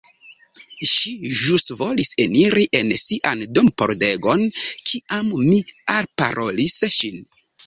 Ŝi ĵus volis eniri en sian dompordegon, kiam mi alparolis ŝin!